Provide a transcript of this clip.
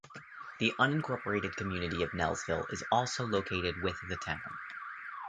The unincorporated community of Knellsville is also located with the town.